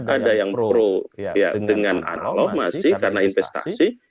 ada yang pro dengan analog masih karena investasi